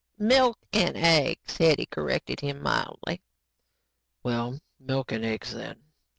"Milk and eggs," Hetty corrected him mildly. "Well, milk and eggs, then.